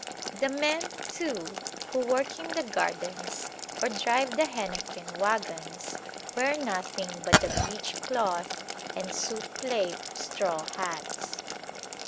The men, too, who work in the gardens or drive the henequen wagons wear nothing but the breech cloth and soup plate straw hats.